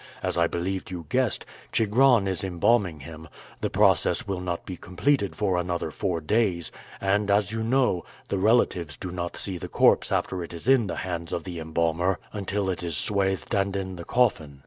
As I believed you guessed, Chigron is embalming him; the process will not be completed for another four days, and, as you know, the relatives do not see the corpse after it is in the hands of the embalmer until it is swathed and in the coffin.